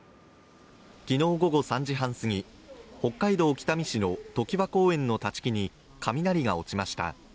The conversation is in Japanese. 昨日午後３時半すぎ北海道北見市の常盤公園の立ち木に雷が落ちました。